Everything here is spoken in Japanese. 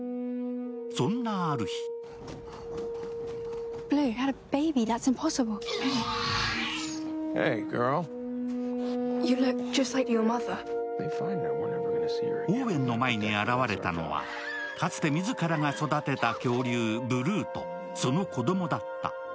そんなある日オーウェンの前に現れたのは、かつて自らが育てた恐竜ブルーとその子供だった。